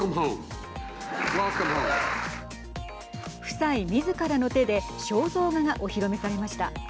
夫妻みずからの手で肖像画が、お披露目されました。